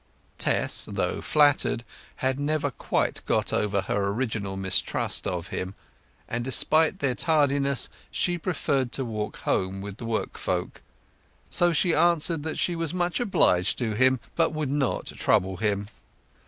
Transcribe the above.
Tess, though flattered, had never quite got over her original mistrust of him, and, despite their tardiness, she preferred to walk home with the work folk. So she answered that she was much obliged to him, but would not trouble him.